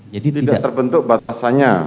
jadi tidak terbentuk batasannya